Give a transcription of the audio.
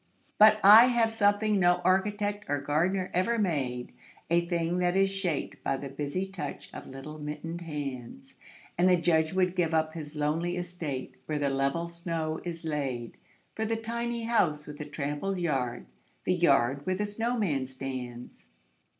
But I have something no architect or gardener ever made, A thing that is shaped by the busy touch of little mittened hands: And the Judge would give up his lonely estate, where the level snow is laid For the tiny house with the trampled yard, the yard where the snowman stands.